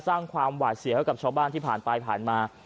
สร้างความหวาดเสียให้กับชาวบ้านที่ผ่านไปผ่านมา